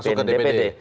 masuk ke dpd